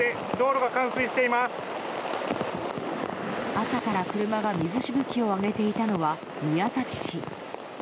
朝から車が水しぶきを上げていたのは宮崎市。